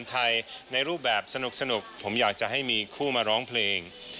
ไทยในรูปแบบสนุกผมอยากจะให้มีคู่มาร้องเพลง